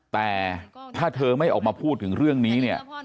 แต่ถ้าเธอไม่ออกมาพูดถึงเรื่องนี้เนี่ย